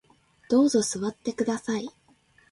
どうぞ座ってください